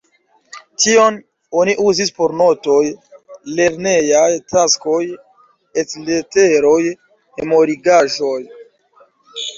Tion oni uzis por notoj, lernejaj taskoj, et-leteroj, memorigaĵoj.